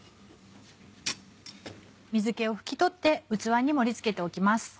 水気を拭き取って器に盛り付けておきます。